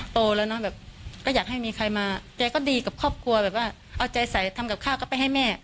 โตแล้วเนอะแบบก็อยากให้มีใครมาแกก็ดีกับครอบครัวแบบว่าเอาใจใส่ทำกับข้าวก็ไปให้แม่